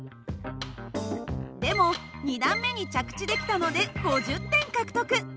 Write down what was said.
でも２段目に着地できたので５０点獲得。